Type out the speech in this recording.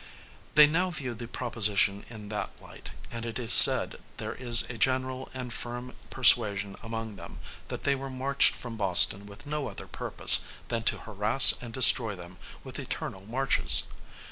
They now view the proposition in that light, and it is said, there is a general and firm persuasion among them, that they were marched from Boston with no other purpose than to harass and destroy them with eternal marches.